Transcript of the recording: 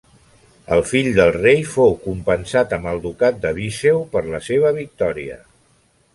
El fill del rei fou compensat amb el ducat de Viseu per la seva victòria.